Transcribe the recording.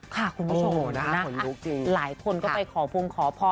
คุณผู้ชมนะคะหลายคนก็ไปขอพงขอพร